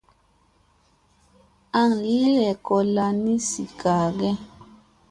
Aŋ li lekolla ni zi gaage ?